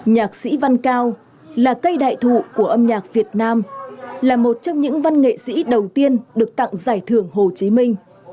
nhạc sĩ văn cao là cây đại thụ của âm nhạc việt nam là một trong những văn nghệ sĩ đầu tiên được tặng giải thưởng hồ chí minh